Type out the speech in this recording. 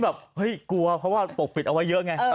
แบบเฮ้ยกลัวเพราะว่าปกปิดเอาไว้เยอะไง